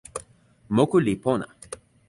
moku li pona.